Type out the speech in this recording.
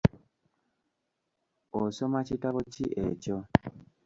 Osoma kitabo ki ekyo?